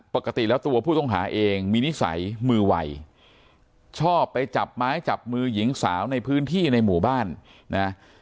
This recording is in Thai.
ปกติแล้วตัวผู้ต้องหาเองมีนิสัยมือวัยชอบไปจับไม้จับมือหญิงสาวในพื้นที่ในหมู่บ้านนะ